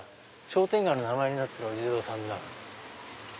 商店街の名前になってるお地蔵さんだ。